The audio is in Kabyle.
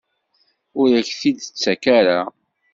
Ur ak-t-id-tettak ara?